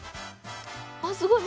あっすごい。